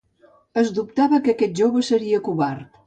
Es dubtava que aquest jove seria covard.